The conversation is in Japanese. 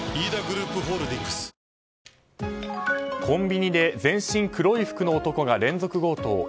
コンビニで全身黒い服の男が連続強盗。